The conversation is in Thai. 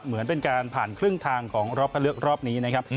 เหมือนเป็นการผ่านครึ่งทางของรอบพระเลือกรอบนี้นะครับ